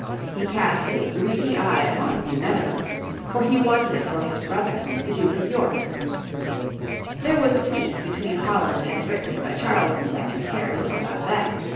He cast a greedy eye upon New Netherland, for he wanted it for his brother, the Duke of York. There was peace between Holland and Britain, but Charles II cared little about that.